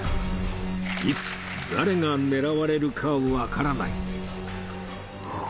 いつ誰が狙われるか分からない